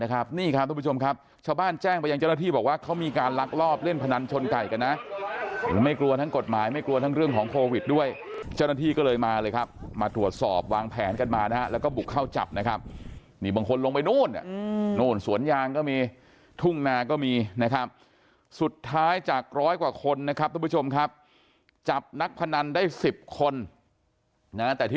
ครับนี่ครับทุกผู้ชมครับชาวบ้านแจ้งไปยังเจ้าหน้าที่บอกว่าเขามีการลักลอบเล่นพนันชนไก่กันนะไม่กลัวทั้งกฎหมายไม่กลัวทั้งเรื่องของโควิดด้วยเจ้าหน้าที่ก็เลยมาเลยครับมาตรวจสอบวางแผนกันมานะฮะแล้วก็บุกเข้าจับนะครับนี่บางคนลงไปนู่นนู่นสวนยางก็มีทุ่งนาก็มีนะครับสุดท้ายจากร้อยกว่าคนนะครับทุกผู้ชมครับจับนักพนันได้๑๐คนนะแต่ที่